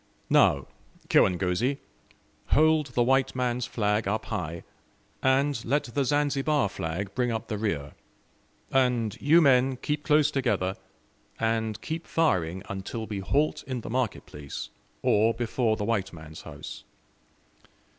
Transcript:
"Now, kirangozi, hold the white man's flag up high, and let the Zanzibar flag bring up the rear. And you men keep close together, and keep firing until we halt in the market place, or before the white man's house.